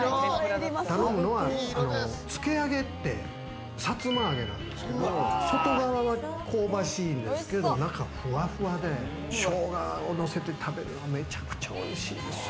頼むのは、つけあげってさつま揚げなんですけれど、外側は香ばしいんですけれども、中ふわふわで、ショウガをのせて食べるのがめちゃくちゃ美味しいんですよ。